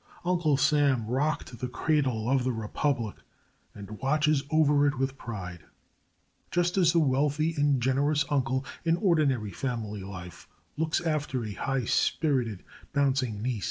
Uncle Sam rocked the cradle of the republic and watches over it with pride, just as the wealthy and generous uncle in ordinary family life looks after a high spirited bouncing niece.